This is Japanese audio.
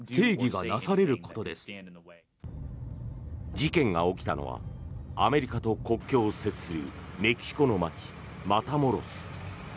事件が起きたのはアメリカと国境を接するメキシコの街、マタモロス。